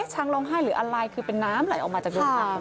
ช้างร้องไห้หรืออะไรคือเป็นน้ำไหลออกมาจากดวงน้ำ